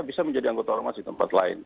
bisa menjadi anggota ormas di tempat lain